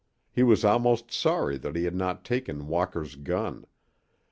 He was almost sorry that he had not taken Walker's gun.